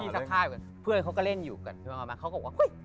พี่ซักผ้าอยู่กันเพื่อนเขาก็เล่นอยู่กันเพื่อนก็บอกว่าพี่อะไรวะ